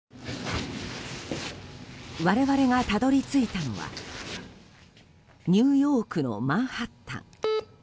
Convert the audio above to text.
我々がたどり着いたのはニューヨークのマンハッタン。